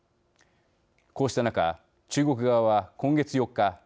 こうした中、中国側は今月４日